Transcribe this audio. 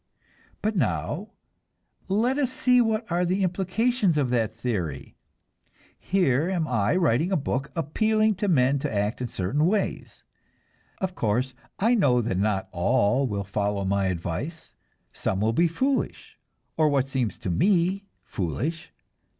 But now, let us see what are the implications of that theory! Here am I writing a book, appealing to men to act in certain ways. Of course, I know that not all will follow my advice. Some will be foolish or what seems to me foolish.